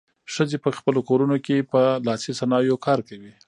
ښځې په خپلو کورونو کې په لاسي صنایعو کار کوي.